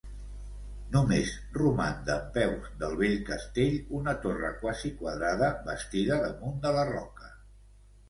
Només roman dempeus, del vell castell, una torre quasi quadrada, bastida damunt de la roca.